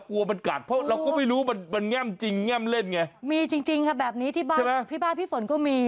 กลัวมันกัดเพราะเราก็ไม่รู้มันมันแง่มจริงแง่มเล่นไงมีจริงจริงค่ะแบบนี้ที่บ้านพี่ฝนก็มี